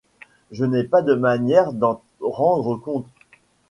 Je n'ai pas de manière d'en rendre compte.